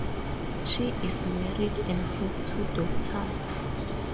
She is married and has two daughters.